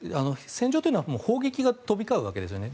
戦場というのは砲撃が飛び交うわけですよね。